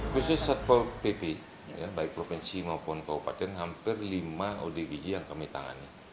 khusus satpol pp baik provinsi maupun kabupaten hampir lima odg yang kami tangani